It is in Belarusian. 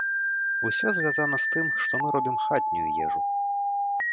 Усё звязана з тым, што мы робім хатнюю ежу.